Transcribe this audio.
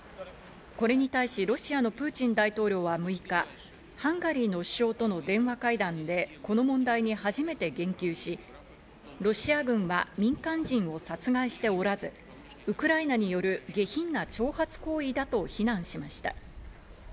これに対しロシアのプーチン大統領は６日、ハンガリーの首相との電話会談でこの問題に初めて言及し、ロシア軍は民間人を殺害しておらず、ウクライナによる下品の挑発行為だと非難しました。